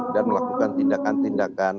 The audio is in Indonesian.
dan melakukan tindakan tindakan